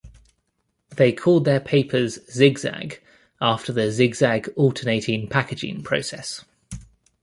They called their papers Zig-Zag after the zigzag alternating packaging process.